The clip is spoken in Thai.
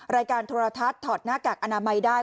รายการโทรทัศน์ถอดหน้ากากอนามัยได้